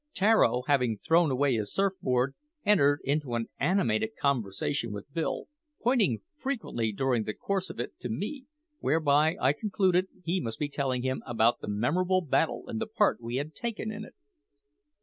Tararo having thrown away his surf board, entered into an animated conversation with Bill, pointing frequently during the course of it to me, whereby I concluded he must be telling him about the memorable battle and the part we had taken in it.